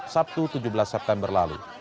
sabtu tujuh belas september lalu